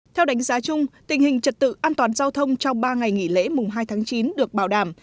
theo đánh giá chung tình hình trật tự an toàn giao thông trong ba ngày nghỉ lễ mùng hai tháng chín được bảo đảm